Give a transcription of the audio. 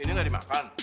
ini gak dimakan